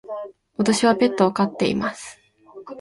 私はペットを飼っています。